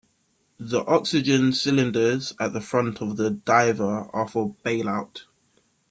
The oxygen cylinders at the front of the diver are for bailout.